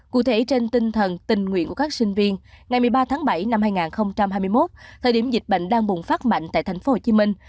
cụ thể trên tinh thần tình nguyện của các sinh viên ngày một mươi ba tháng bảy năm hai nghìn hai mươi một thời điểm dịch bệnh đang bùng phát mạnh tại thành phố hồ chí minh